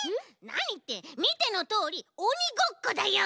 なにってみてのとおりおにごっこだよ！